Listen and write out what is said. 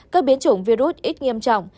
các biến chủng virus ít nghiêm trọng